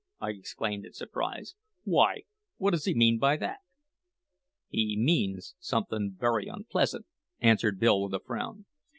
I exclaimed in surprise. "Why, what does he mean by that?" "He means somethin' very unpleasant," answered Bill with a frown.